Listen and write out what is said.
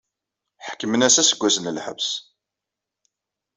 Ḥekmen-as aseggas n lḥebs.